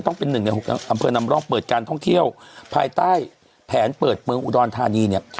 ต้องเป็นหนึ่งใน๖อำเภอนำร่องเปิดการท่องเที่ยวภายใต้แผนเปิดเมืองอุดรธานีเนี่ย